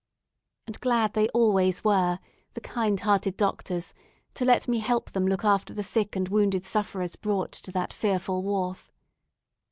And glad they always were, the kind hearted doctors, to let me help them look after the sick and wounded sufferers brought to that fearful wharf.